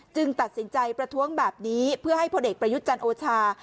ตัดสินใจประท้วงแบบนี้เพื่อให้พลเอกประยุทธ์จันทร์โอชา